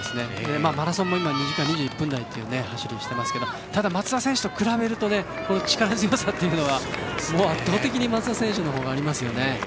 マラソンも今２時間２１分台という走りですがただ松田選手と比べると力強さというのは圧倒的に松田選手の方があります。